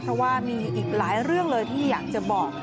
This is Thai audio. เพราะว่ามีอีกหลายเรื่องเลยที่อยากจะบอก